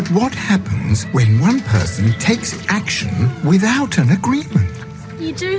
tapi apa yang terjadi ketika seorang orang mengambil aksi tanpa persetujuan